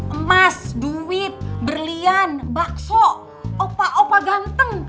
emas duit berlian bakso opa opa ganteng